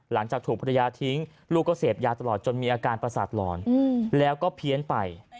หลังจากถูกภรรยาทิ้งลูกก็เสพยาตลอดจนมีอาการประสาทหลอนแล้วก็เพี้ยนไป